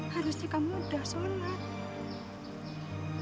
harusnya kamu udah sholat